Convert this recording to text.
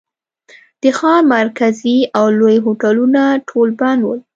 د ښار مرکزي او لوی هوټلونه ټول بند ول.